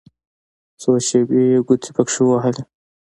څو شېبې يې ګوتې پکښې ووهلې.